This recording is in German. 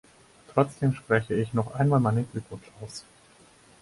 Trotzdem spreche ich noch einmal meinen Glückwunsch aus.